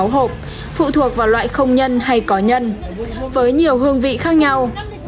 sáu hộp phụ thuộc vào loại không nhân hay có nhân với nhiều hương vị khác nhau